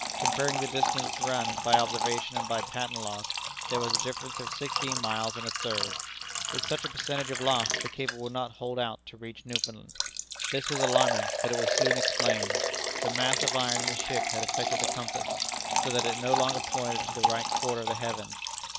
Comparing the distance run by observation and by patent log, there was a difference of sixteen miles and a third. With such a percentage of loss, the cable would not hold out to reach Newfoundland. This was alarming, but it was soon explained. The mass of iron in the ship had affected the compass, so that it no longer pointed to the right quarter of the heavens.